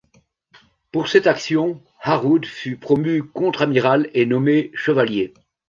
Pour cette action, Harwood fut promu contre-amiral et nommé chevalier.